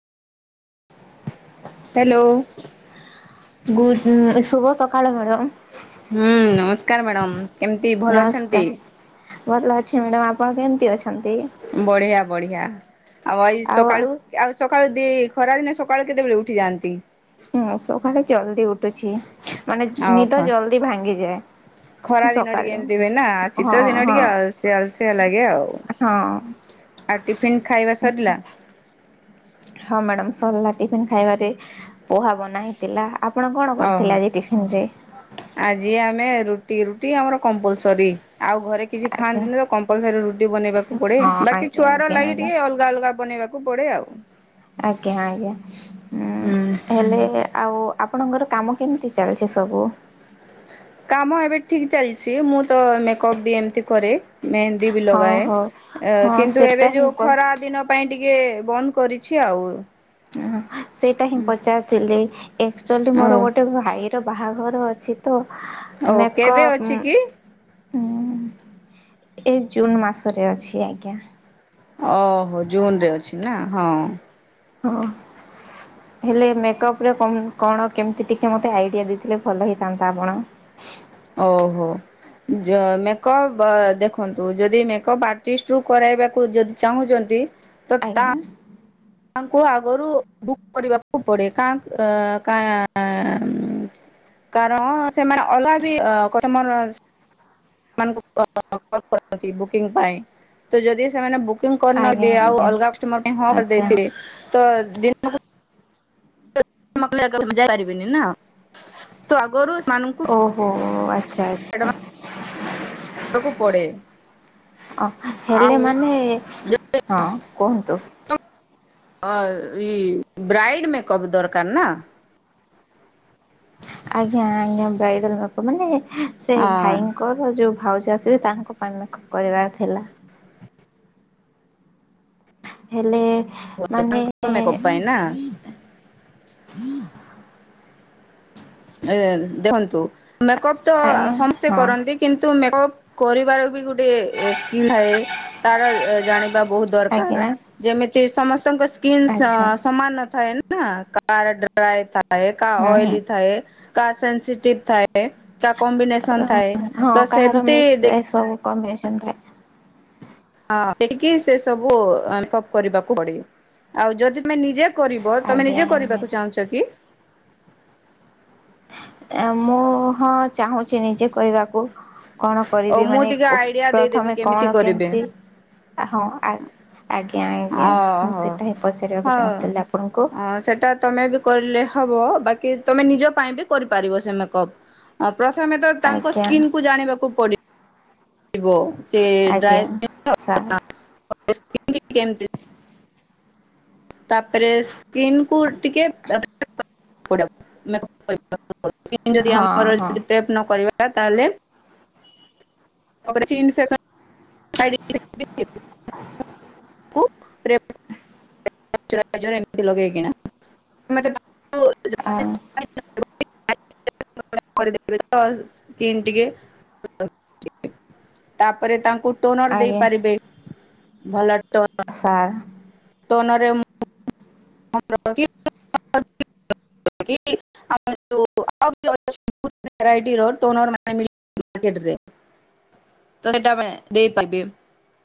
Hello good ଶୁଭ ସ hello madam ହୁଁ ନମସ୍କାର ମ୍ୟାଡ଼ମ୍ କେମତି ଭଲ ଅଛନ୍ତି? ଭତ ଅଛି ମ୍ୟାଡ଼ାମ ଆପଣ କେମିତି ଅଛ ବଢିଆ ବଢିଆ ଆଉ ଏଇ ସକାଳୁ ଆଉ ସକାଳୁ ଦ ଖରାଦିନେ ସକାଳୁ କେତେବେଳେ ଉଠିଯାଆନ୍ତି? ହୁଁ ସକାଳେ ଜଲ୍ଦି ଉଠୁଛି ମାନେ ଆଉ ଖ ନିଦ ଜଲ୍ଦି ଭାଙ୍ଗି ଯାଏ। ଖରା ଦିନ ଟିକେ ଏମିତି ହୁଏ ନା ହଁ ଶୀତ ଦିନ ହଁ ଟିକେ ଆଲସେ ଆଲସେଆ ଲାଗେ ଆଉ ହଁ ଆଉ ଟିଫିନ ଖାଇବା ସରିଲା। ହଁ ମ୍ୟାଡ଼ାାମ ସରିଲା। ଟିଫିନ ଖାଇବାରେ ପୋହା ବନା ହେଇଥିଲା। ଆପଣ କଣ ଓହୋ। କରୁଥିଲେ ଆଜି ଟିଫିନ ରେ? ଆଜି ଆମେ ରୁଟି ରୁଟି ଆମର କମ୍ପଲସରୀ ଆଉ ଘରେ କିଛି ଆଜ୍ଞା ଖାଆନ୍ତିନି ତ କମ୍ପଲସରୀ ରୁଟି ବନେଇବାକୁ ପଡେ ହଁ ବାକି ଆଜ୍ଞା ଛୁଆର ଆଜ୍ଞା ଲାଗି ଆଜ୍ଞା ଟିକେ ଅଲଗା ଅଲଗା ବନେଇବାକୁ ପଡେ ଆଉ। ଆଜ୍ଞା ଆଜ୍ଞା ହଁ ହୁଁ ହେଲେ ଆଉ ଆପଣଙ୍କର କାମ କେମିତି ଚାଲିଛି ସବୁ? କାମ ଏବେ ଠିକ ଚାଲିଛି ମୁଁ ତ ମେକଅପ୍ ବି ଏମିତି କରେ ମେହେନ୍ଦି ବି ହଁ ଲଗାଏ। ହଉ ହଁ କିନ୍ତୁ ସେଟା ଏବେ ହିଁ ଯୋଉ ପ ଖରା ଦିନ ପାଇଁ ଟିକେ ଟିକେ ବନ୍ଦ କରିଛି ଆଉ। ସେଇଟା ହିଁ ପଚାରୁଥିଲି ଆକ୍ଚୁଆଲି ଓ ମୋର ଗୋଟେ ଭାଇର ବାହାଘର ଅ ଛି ତ ଓଉ କେବେ ଅଛି କି? ହଁ ଏ ଜୁନ୍ ମାସରେ ଅଛି ଆଜ୍ଞା ଓହୋ ଜୁନରେ ଅଛି ନା ହଁ ହଁ ହେଲେ ମେକଅପ ରେ କଣ କେମିତି ଟିକେ ମତେ ଆଇଡିଆ ଦେଇଥିଲେ ଭଲ ହେଇଥାନ୍ତା ଆପଣ। ଓହୋ ମେକଅପ ଦେଖନ୍ତୁ ଯଦି ମେକଅପ ଆର୍ଟିଷ୍ଟରୁୁ କରାଇବାକୁ ଯଦି ଚାହୁଁଛନ୍ତି ତ ଆଜ୍ଞା ତାଙ୍କୁ ଆଗରୁ ବୁକ୍ କରିବାକୁ ପଡେ କାଁ କାଁ କାରଣ ସେମାନେ ଅଲଗା ବି ଅଁ ତମର କରନ୍ତି ବୁକିଂ ପାଇଁ ତ ଯଦି ସେମାନେ କୁକିଂ ଆଜ୍ଞା କରିନେବେ ଆଉ ଆଜ୍ଞା ଅଲଗା କଷ୍ଟମର ପାଇଁ ହଁ ଆଚ୍ଛା। କରିଦେଇଥିବେ। ତ ଦିନକୁ କାମ କ୍ଲି ଯାଇ ପାରିବେନି ନା ତ ଆଗରୁ ସେମାନଙ୍କୁ ଓହୋ [unintelligible] କୁ ପଡ଼େ ଅ ହେଲେ ମାନେ ହଁ କୁହନ୍ତୁ। ହ ଏ ବ୍ରାଇଡ଼ ମେକଅପ ଦରକାର ନା ଆଜ୍ଞା ଆଜ୍ଞା ବ୍ରାଇଡାଲ ମେକପ ମାନେ ସେ ହଁ ଭାଇଙ୍କର ଯୋଉ ଭାଉଜ ଆସ୍ ସେ ତାଙ୍କ ପାଇଁ ମେକପ୍ କରିବାର ଥିଲା। ହେଲେ। ମାନେ ତାଙ୍କ ମେକଅପ୍ ପାଇଁ ନା। ଏ ଦେଖନ୍ତୁ। ମେକଅପ୍ ତ ଆଜ୍ଞା ସମସ୍ତେ ହଁ କରନ୍ତି କିନ୍ତୁ ମେକଅପ୍। କରିବାର ବି ଗୋଟେ ସ୍କିଲ୍ ଥାଏ ତାର ଜାଣି ବହୁତ ଆଜ୍ଞା ଦରକାର ଯେମିତି ସମ ତାଙ୍କ ସ୍କିନ୍ ଆଚ୍ଛା ସମାନ ନ ଥାଏ ନା। ନା କାର ଡ୍ରାଇ ଥାଏ। ଥାଏ କା ହୁଁ ଅଏଲି ଥାଏ। କା ସେନ୍ସିଟିଭ ଥାଏ। ତା କମ୍ବିନେସନ ହୁଁ ଥାଏ ତ ସେମିତି ଦେଖି କମ୍ବିନେଶନ ଥାଏ। ହଁ ସେଟିକି ସେ ସବୁ [unintelligible] କରିବାକୁ ପଡ଼େ ଆଉ ଯଦି ତମେ ନିଜେ। କରିବ ତମେ ଆଜ୍ଞା ନିଜେ ଆଜ୍ଞା। କରିବାକୁ ଚାହୁଁଛ କି। ଏ ମୁଁ ହଁ ଚାହୁଁଛି ନିଜେ କହିବାକୁ। ଓ କଣକରିବି ମୁଁ ମାନେ ଟିକେ କୌ ଆଇଡିଆ ଦେଇଦେବି ପ୍ରଥମେ କେମିତି କଣ କରିବେ କେମତି ଆହଁ ଆଜ୍ ଆ ଜ୍ଞା ଜ୍ଞା ଓହୋ ମୁଁସେତିକି ପଚାରିବାକୁ ଚାହୁଁଥିଲିଆପଣଙ୍କୁ। କର୍ଲେ ହବ ବାକି ତମେନିଜପାଇଁ ବି କରିପାରିବ ସେମେକ ପ୍ରଥମେତ ତାଙ୍କ ଆଜ୍ଞା ସ୍କିନକୁ ଜାଣିବାକୁ ପଡି ଇବ ସେ ଆଜ୍ଞା ଡ୍ରାଏସ ସାର୍ [inaudible] [inaudible] କେମତି? ତାପ୍ରେ ସ୍କିନକୁ ଟିକିଏ [inaudible] ମେକଅପ୍। [inaudible] ସ୍କିନ ଯଦି ହଁ ଆମ ମର ରେପ ନ କରିବା। ଟା ତାଲେ କପରେଛିନଫେକ୍ସ ସାଇଡ [unintelligible] କୁପ୍ ପ୍ରେ [unintelligible] ରାଇଜର ଏମତି ଲଗେଇକିଣା ମତେ ତା ଉ। ଆ ଆଉ। [unintelligible] ତିନ ଟିକେ ତାପରେ ତାଙ୍କୁ। ଟୋନର ଆଜ୍ଞା ଦେଇପାରିବେ। ଭଲ ସାର୍ ତ ନରେ [unintelligible]